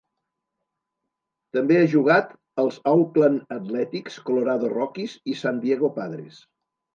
També ha jugat als Oakland Athletics, Colorado Rockies, i San Diego Padres.